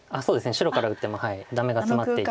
白から打ってもダメがツマっていて。